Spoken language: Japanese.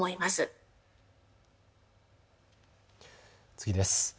次です。